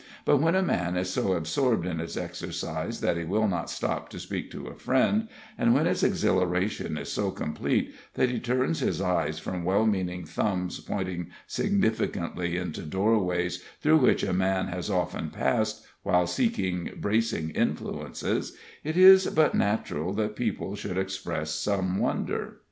But when a man is so absorbed in his exercise that he will not stop to speak to a friend; and when his exhilaration is so complete that he turns his eyes from well meaning thumbs pointing significantly into doorways through which a man has often passed while seeking bracing influences, it is but natural that people should express some wonder.